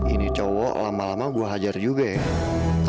ini cowok lama lama gue hajar juga ya